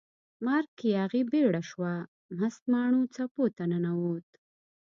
مرک یاغي بیړۍ شوه، مست ماڼو څپو ته ننووت